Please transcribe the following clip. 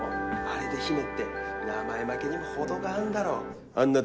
あれで「ヒメ」って名前負けにも程があんだろあんな